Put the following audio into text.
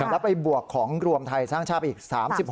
แล้วไปบวกของรวมไทยสร้างชาติไปอีก๓๖